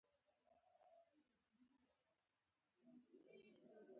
آیا تعرفې او مالیې کمول نه غواړي؟